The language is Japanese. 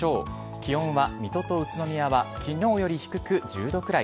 気温は水戸と宇都宮は昨日より低く１０度くらい。